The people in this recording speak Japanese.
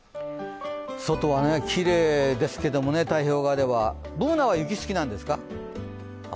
外はきれいですけども、太平洋側では。Ｂｏｏｎａは雪好きなんですか？